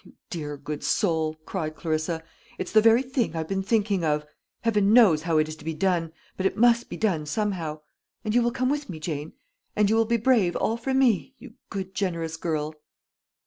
"You dear good soul!" cried Clarissa. "It's the very thing I've been thinking of. Heaven knows how it is to be done; but it must be done somehow. And you will come with me, Jane? and you will brave all for me, you good generous girl?"